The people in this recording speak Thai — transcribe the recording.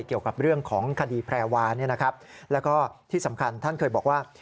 เกี่ยวกับเรื่องของคดีแพรวาแล้วก็ที่สำคัญท่านเคยบอกว่า